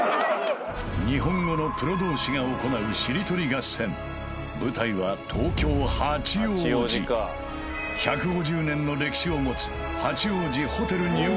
日本語のプロ同士が行うしりとり合戦舞台は１５０年の歴史を持つ・